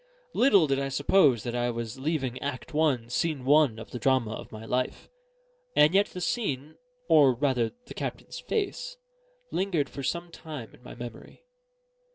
Little did I suppose that I was leaving Act I, Scene I, of the drama of my life; and yet the scene, or rather the captain's face, lingered for some time in my memory.